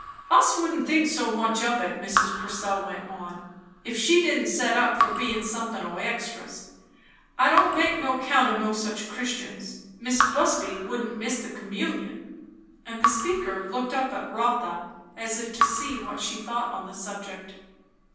"Us wouldn't think so much of it," Mrs. Purcell went on, "if she didn't set up for bein' somethin' o' extras. I don't make no count o' no such Christians. Mis' Busby wouldn't miss the Communion! " And the speaker looked up at Rotha, as if to see what she thought on the subject.